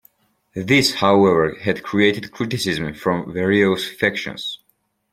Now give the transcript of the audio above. This however had created criticism from various factions.